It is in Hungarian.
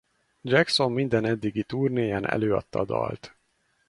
Jackson minden eddigi turnéján előadta a dalt.